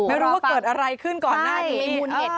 ไม่รู้ว่าเกิดอะไรขึ้นก่อนหน้านี้